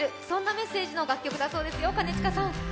そんなメッセージの楽曲だそうですよ。